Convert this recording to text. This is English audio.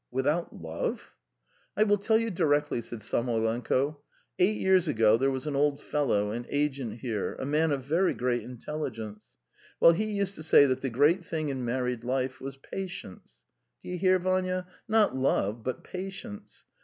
"Without love?" "I will tell you directly," said Samoylenko. "Eight years ago there was an old fellow, an agent, here a man of very great intelligence. Well, he used to say that the great thing in married life was patience. Do you hear, Vanya? Not love, but patience.